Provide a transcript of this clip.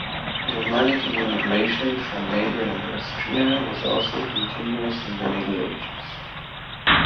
Germanic immigration from neighbouring Austria was also continuous in the Middle Ages.